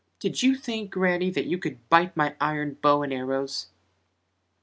"Did you think, Grannie, that you could bite my iron bow and arrows?"